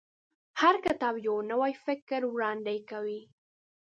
هر کتاب یو نوی فکر وړاندې کوي.